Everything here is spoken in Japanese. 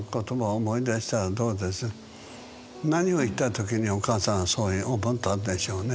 何を言ったときにお母さんはそう思ったんでしょうね。